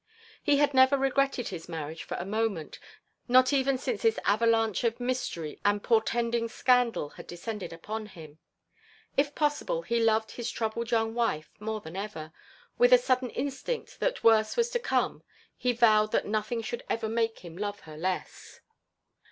He had never regretted his marriage for a moment, not even since this avalanche of mystery and portending scandal had descended upon him; if possible he loved his troubled young wife more than ever with a sudden instinct that worse was to come he vowed that nothing should ever make him love her less.